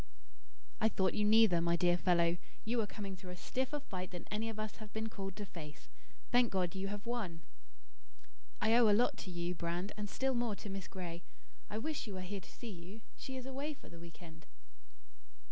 "I thought you neither, my dear fellow. You were coming through a stiffer fight than any of us have been called to face. Thank God, you have won." "I owe a lot to you, Brand, and still more to Miss Gray. I wish she were here to see you. She is away for the week end."